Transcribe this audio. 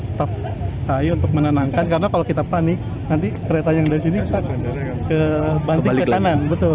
staff saya untuk menenangkan karena kalau kita panik nanti kereta yang dari sini kebanti ke kanan